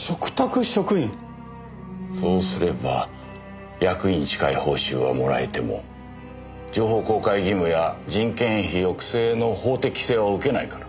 そうすれば役員に近い報酬はもらえても情報公開義務や人件費抑制の法的規制は受けないから。